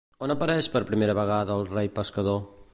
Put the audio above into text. On apareix per primera vegada el rei pescador?